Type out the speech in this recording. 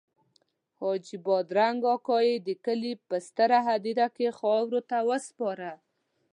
حاجي بادرنګ اکا یې د کلي په ستره هدیره کې خاورو ته وسپاره.